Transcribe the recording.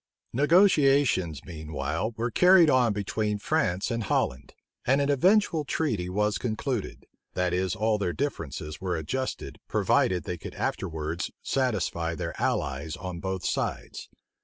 Negotiations meanwhile were carried on between France and Holland, and an eventual treaty was concluded; that is all their differences were adjusted, provided they could after wards satisfy their allies on both sides.